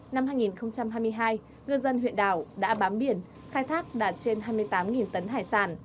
năm hai nghìn hai mươi hai ngư dân huyện đảo đã bám biển khai thác đạt trên hai mươi tám tấn hải sản